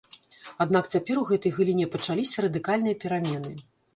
Аднак цяпер у гэтай галіне пачаліся радыкальныя перамены.